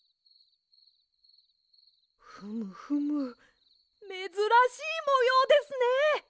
フムフムめずらしいもようですね！